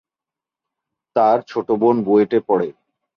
তার ছোট বোন বুয়েটে পড়ে।